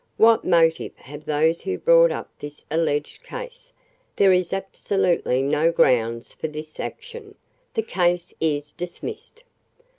What motive have those who brought up this alleged case? There is absolutely no grounds for this action. The case is dismissed."